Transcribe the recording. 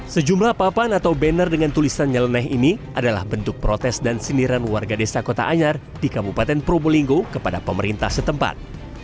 sejumlah papan atau banner dengan tulisan nyeleneh ini adalah bentuk protes dan sindiran warga desa kota anyar di kabupaten probolinggo kepada pemerintah setempat